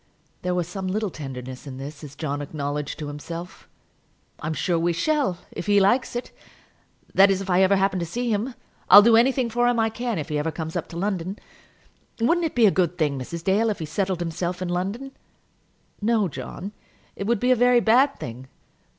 There was some little tenderness in this, as John acknowledged to himself. "I'm sure we shall, if he likes it. That is, if I ever happen to see him. I'll do anything for him I can if he ever comes up to London. Wouldn't it be a good thing, Mrs. Dale, if he settled himself in London?" "No, John; it would be a very bad thing.